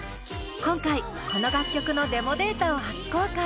今回この楽曲のデモデータを初公開！